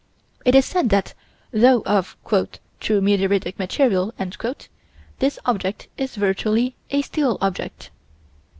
It is said that, though of "true meteoritic material," this object is virtually a steel object.